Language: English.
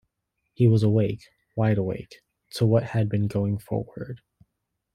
He was awake — wide awake — to what had been going forward.